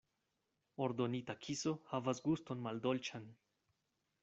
Ordonita kiso havas guston maldolĉan.